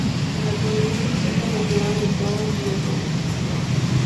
En la actualidad se encuentra retirado de toda actividad política.